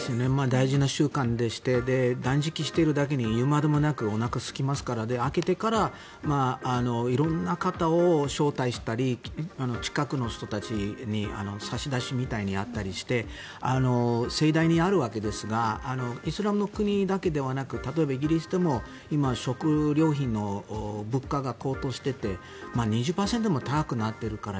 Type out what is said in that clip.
大事な習慣でして断食しているだけに言うまでもなくおなかすきますから明けてから色んな方を招待したり近くの人たちに差し出しみたいにやったりして盛大にあるわけですがイスラムの国だけではなく例えば、今、イギリスでも今、食料品の物価が高騰してて２０％も高くなっているから。